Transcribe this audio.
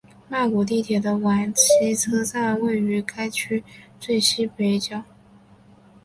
曼谷地铁的挽赐车站位于该区最西北角。